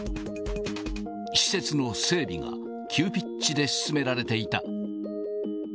施設の整備が急ピッチで進められていた。